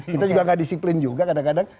kita juga nggak disiplin juga kadang kadang